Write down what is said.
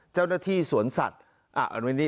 เจ้าหน้าที่สวนสัตย์อ่ะวันนี้